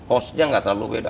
itu costnya ga terlalu beda